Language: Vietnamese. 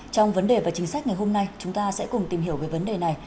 trong vấn đề và chính sách ngày hôm nay chúng ta sẽ cùng tìm hiểu về vấn đề này